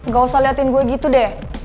gak usah liatin gue gitu deh